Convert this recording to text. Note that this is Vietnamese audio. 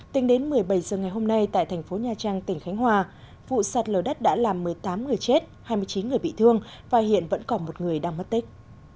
tính đến một mươi bảy h ngày hôm nay tại thành phố nha trang tỉnh khánh hòa vụ sạt lở đất đã làm một mươi tám người chết hai mươi chín người bị thương và hiện vẫn còn một người đang mất tích